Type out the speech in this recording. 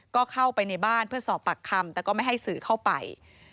ก็เข้าไปในบ้านเพื่อสอบปากคำแต่ก็ไม่ให้สื่อเข้าไป